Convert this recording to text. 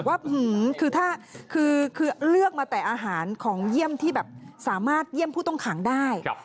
เขาบอกว่าหื้มคือเลือกมาแต่อาหารของเหี้ยมที่แบบสามารถเหี้ยมผู้ต้นขังได้